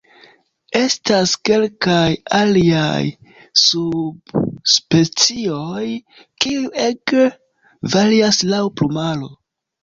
Estas kelkaj aliaj subspecioj kiuj ege varias laŭ plumaro.